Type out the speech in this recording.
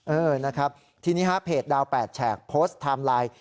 เออนะครับทีนี้ฮะเพจดาว๘แฉกโพสต์ไทม์ไลน์